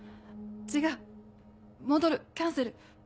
違う戻るキャンセル。